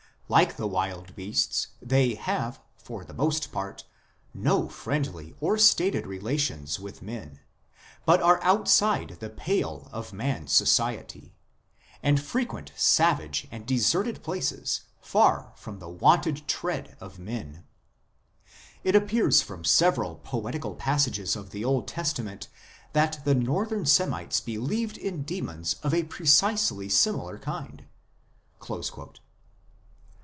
... Like the wild beasts, they have, for the most part, no friendly or stated relations with men, but are outside the pale of man s society, and frequent savage and deserted places far from the wonted tread of men. It appears from several poetical passages of the Old Testament that the northern Semites believed in demons of a precisely similar kind."